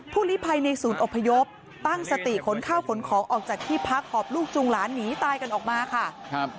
ลิภัยในศูนย์อพยพตั้งสติขนข้าวขนของออกจากที่พักหอบลูกจูงหลานหนีตายกันออกมาค่ะครับ